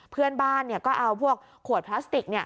เพื่อนบ้านก็เอาพวกขวดพลาสติก